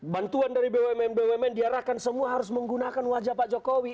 bantuan dari bumn bumn diarahkan semua harus menggunakan wajah pak jokowi